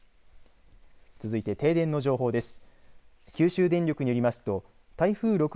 続いて停電の情報です。